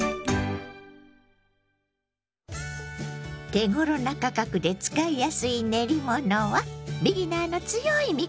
手ごろな価格で使いやすい練り物はビギナーの強い味方。